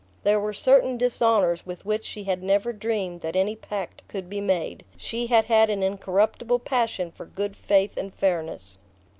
There were certain dishonours with which she had never dreamed that any pact could be made: she had had an incorruptible passion for good faith and fairness.